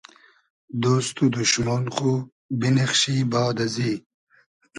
دۉست و دوشمۉن خو بینیخشی باد ازی